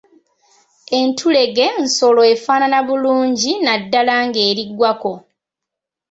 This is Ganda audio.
Entulege nsolo efaanana obulungi naddala ng’eri ggwako.